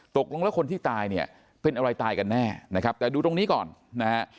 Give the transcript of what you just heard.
ตกลงแล้วคนที่ตายเนี่ยเป็นอะไรตายกันแน่นะครับแต่ดูตรงนี้ก่อนนะฮะ